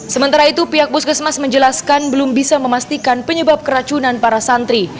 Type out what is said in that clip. sementara itu pihak puskesmas menjelaskan belum bisa memastikan penyebab keracunan para santri